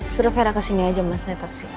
suruh vera kesini aja mas naik taksi